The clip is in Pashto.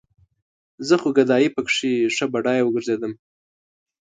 زه خو ګدايه پکې ښه بډايه وګرځېدم